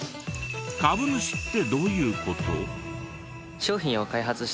株主ってどういう事？